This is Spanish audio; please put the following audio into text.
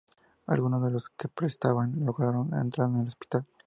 Algunos de los que protestaban lograron entrar en el hospital.